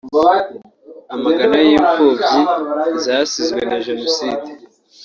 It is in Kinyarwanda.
Amagana y’imfubyi zasizwe na Jenoside